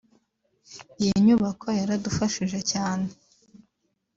Iyi nyubako yaradufashije cyane